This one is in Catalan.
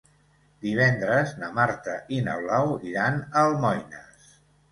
Divendres na Marta i na Blau iran a Almoines.